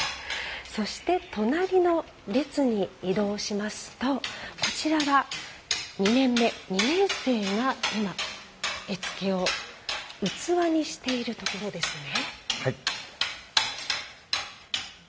そして隣の列に移動しますと２年目、２年生が今絵付けを器にしているところですね。